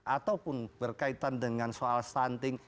ataupun berkaitan dengan soal stunting